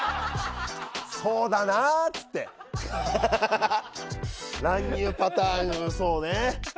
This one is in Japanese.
そうだなーって乱入パターンね。